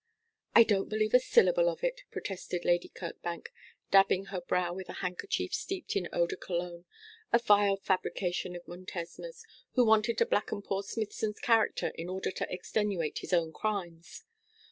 'I don't believe a syllable of it,' protested Lady Kirkbank, dabbing her brow with a handkerchief steeped in eau de Cologne. 'A vile fabrication of Montesma's, who wanted to blacken poor Smithson's character in order to extenuate his own crimes.'